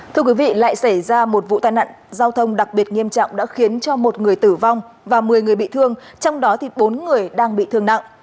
thưa quý vị lại xảy ra một vụ tai nạn giao thông đặc biệt nghiêm trọng đã khiến cho một người tử vong và một mươi người bị thương trong đó thì bốn người đang bị thương nặng